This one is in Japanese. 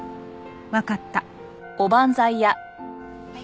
わかった。